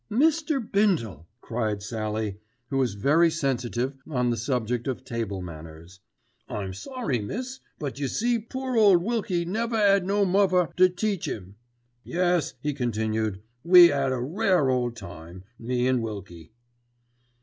'" "Mr. Bindle!" cried Sallie, who is very sensitive upon the subject of table manners. "I'm sorry, miss, but you see poor ole Wilkie never 'ad no mother to teach 'im. Yes," he continued, "we 'ad a rare ole time, me an' Wilkie."